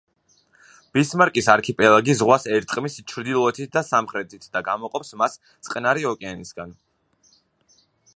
ბისმარკის არქიპელაგი ზღვას ერტყმის ჩრდილოეთით და სამხრეთით და გამოყოფს მას წყნარი ოკეანისგან.